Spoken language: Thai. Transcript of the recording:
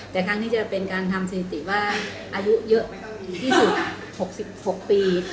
แต่ครั้งนี้จะเป็นการทำสถิติว่าอายุเยอะถึงที่สุด๖๖ปี